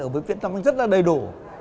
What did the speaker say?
ở bệnh viện đao khoa tâm anh rất là đầy đủ